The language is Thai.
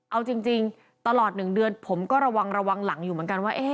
เอาจริงตลอด๑เดือนผมก็ระวังระวังหลังอยู่เหมือนกันว่า